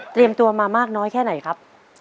เตรียมตัวมามากน้อยแค่ไหนครับ